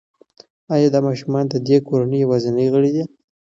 ایا دا ماشوم د دې کورنۍ یوازینی غړی دی؟